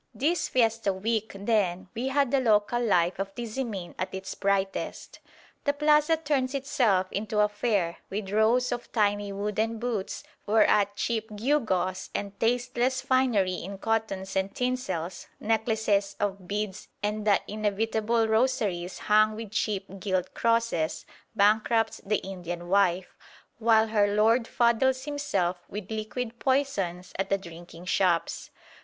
This fiesta week, then, we had the local life of Tizimin at its brightest. The plaza turns itself into a fair, with rows of tiny wooden booths whereat cheap gewgaws and tasteless finery in cottons and tinsels, necklaces of beads and the inevitable rosaries hung with cheap gilt crosses, bankrupt the Indian wife; while her lord fuddles himself with liquid poisons at the drinking shops.